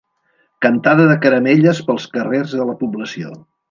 Cantada de Caramelles pels carrers de la població.